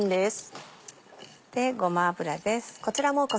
ごま油です。